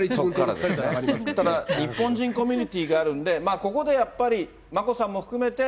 ただ、日本人コミュニティがありますからね、ここでやっぱり、眞子さんも含めて。